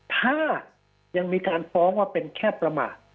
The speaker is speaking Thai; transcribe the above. ถ้ายังมีการฟ้องว่าเป็นแค่ประมาท